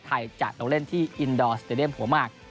ไทยจะลงเล่นที่อินดอร์สเตรียมหัวมาก